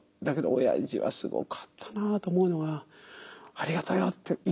だけどおやじはすごかったなと思うのは「ありがとよ」って。